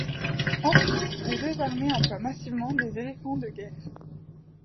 Ensuite, les deux armées emploient massivement des éléphants de guerre.